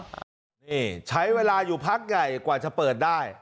นี่ใช้เวลาอยู่พักใหญ่กว่าจะเปิดได้